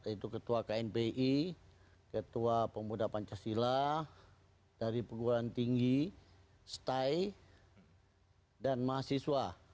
yaitu ketua knpi ketua pemuda pancasila dari perguruan tinggi stay dan mahasiswa